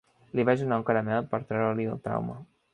Li vaig donar un caramel per treure-li el trauma.